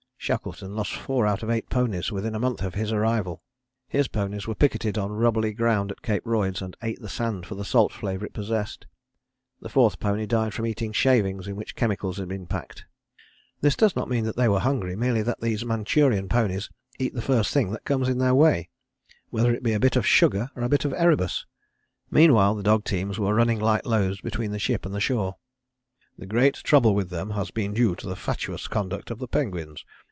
Shackleton lost four out of eight ponies within a month of his arrival. His ponies were picketed on rubbly ground at Cape Royds, and ate the sand for the salt flavour it possessed. The fourth pony died from eating shavings in which chemicals had been packed. This does not mean that they were hungry, merely that these Manchurian ponies eat the first thing that comes in their way, whether it be a bit of sugar or a bit of Erebus. Meanwhile the dog teams were running light loads between the ship and the shore. "The great trouble with them has been due to the fatuous conduct of the penguins.